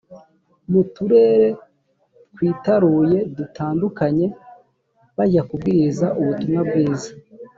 mu turere twitaruye dutandukanye bajya kubwiriza ubutumwa bwiza